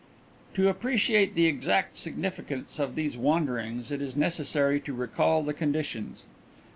To appreciate the exact significance of these wanderings it is necessary to recall the conditions.